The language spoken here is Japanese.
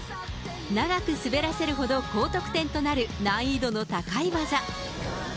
長く滑らせるほど高得点となる難易度の高い技。